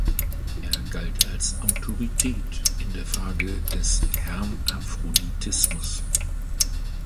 Er galt als Autorität in der Frage des Hermaphroditismus.